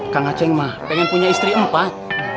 kang aceh mah pengen punya istri empat